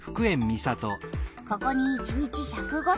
ここに１日１０５トン。